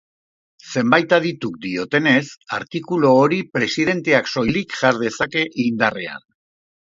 Zenbait adituk diotenez, artikulu hori presidenteak soilik jar dezake indarrean.